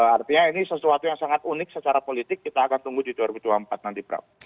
artinya ini sesuatu yang sangat unik secara politik kita akan tunggu di dua ribu dua puluh empat nanti prof